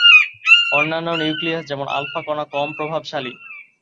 অন্যান্য নিউক্লিয়াস, যেমন আলফা কণা, কম প্রভাবশালী।